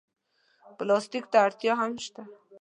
پلاستيک ته اړتیا هم شته.